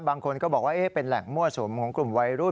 บางคนก็บอกว่าเป็นแหล่งมั่วสุมของกลุ่มวัยรุ่น